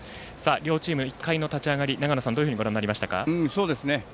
両チーム１回の立ち上がりどうご覧になりましたか。